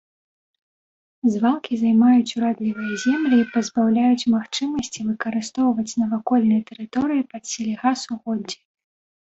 Звалкі займаюць урадлівыя землі і пазбаўляюць магчымасці выкарыстоўваць навакольныя тэрыторыі пад сельгасугоддзі.